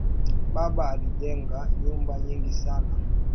Baba alijenga nyumba nyingi sana